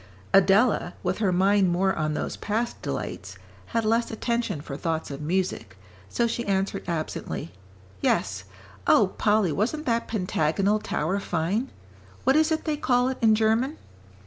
Adela, with her mind more on those past delights, had less attention for thoughts of music, so she answered absently, "Yes. Oh, Polly, wasn't that Pentagonal Tower fine? What is it they call it in German?"